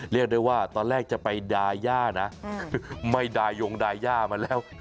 เรียกได้ว่าตอนแรกจะไปดาย่านะไม่ดายงดาย่ามาแล้ว